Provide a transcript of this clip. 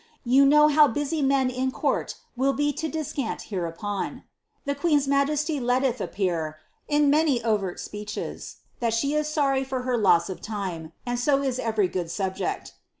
You know how busy men in court will be to descant hereupon. The queen^s majesty letteth it appear, in many overt speeches, that she is sorry for her loss of time, and so is every good subject.